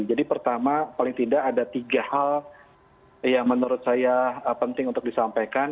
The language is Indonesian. jadi pertama paling tidak ada tiga hal yang menurut saya penting untuk disampaikan